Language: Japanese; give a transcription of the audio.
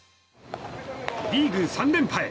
リーグ３連覇へ。